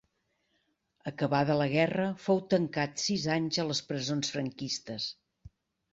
Acabada la guerra fou tancat sis anys a les presons franquistes.